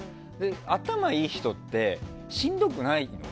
頭がいい人ってしんどくないの？